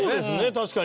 確かに。